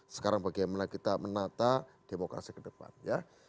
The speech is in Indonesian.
sekarang bagaimana kita menata demokrasi ke depan ya